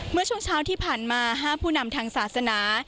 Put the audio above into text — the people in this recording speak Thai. เมื่อช่วงเช้าที่ผ่านมาห้ามผู้นำทางศาสนา